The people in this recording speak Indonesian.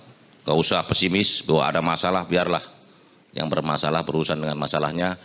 tidak usah pesimis bahwa ada masalah biarlah yang bermasalah berurusan dengan masalahnya